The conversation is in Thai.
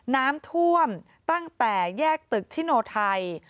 น้ำท่วมตั้งแต่แยกตึกชิโนไทย